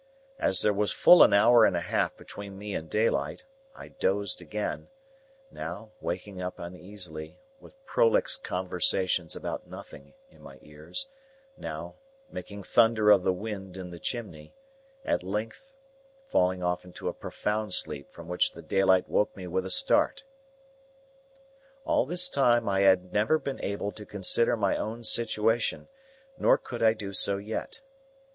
As there was full an hour and a half between me and daylight, I dozed again; now, waking up uneasily, with prolix conversations about nothing, in my ears; now, making thunder of the wind in the chimney; at length, falling off into a profound sleep from which the daylight woke me with a start. All this time I had never been able to consider my own situation, nor could I do so yet.